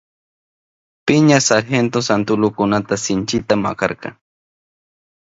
Piña sargento suntalukunata sinchita makarka.